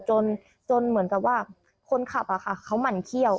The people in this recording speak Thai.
จนเหมือนคุณขับอะค่ะเขามั่นเคี่ยว